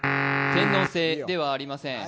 天王星ではありません。